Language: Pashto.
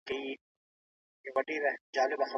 خورما په ډېرې پاکۍ سره سپي ته وړاندې شوې وه.